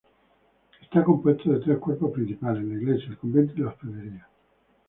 Está compuesto de tres cuerpos principales: la iglesia, el convento y la hospedería.